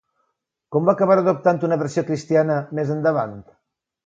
Com va acabar adoptant una versió cristiana, més endavant?